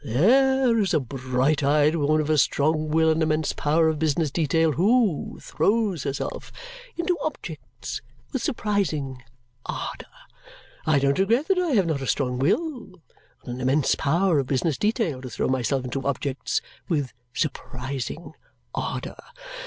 There is a bright eyed woman, of a strong will and immense power of business detail, who throws herself into objects with surprising ardour! I don't regret that I have not a strong will and an immense power of business detail to throw myself into objects with surprising ardour.